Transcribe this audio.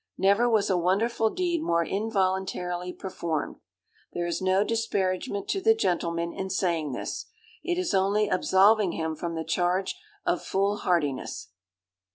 Never was a wonderful deed more involuntarily performed. There is no disparagement to the gentleman in saying this: it is only absolving him from the charge of foolhardiness.